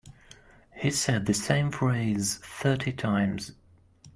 He said the same phrase thirty times.